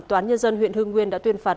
tòa án nhân dân huyện hưng nguyên đã tuyên phạt